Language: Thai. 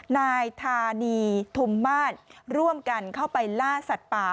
นายธานีทุมมาศร่วมกันเข้าไปล่าสัตว์ป่า